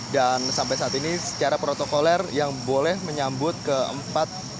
dan sampai saat ini secara protokoler yang boleh menyambut keempat